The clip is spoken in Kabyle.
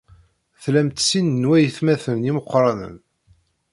Tlamt sin n waytmaten imeqranen.